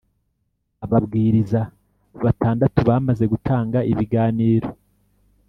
ababwiriza batandatu bamaze gutanga ibiganiro.